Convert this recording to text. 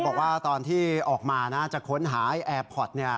เธอบอกว่าตอนที่ออกมานะจักรค้นหาแอร์พอตเนี่ย